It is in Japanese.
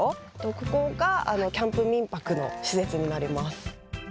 ここがキャンプ民泊の施設になります。